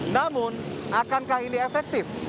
namun akankah ini efektif